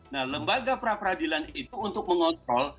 nah lembaga pra peradilan itu untuk mengontrol